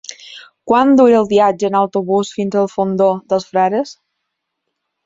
Quant dura el viatge en autobús fins al Fondó dels Frares?